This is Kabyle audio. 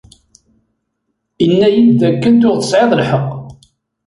Inna-yid dakken tuɣ tesɛiḍ lḥeq.